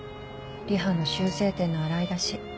リハの修正点の洗い出し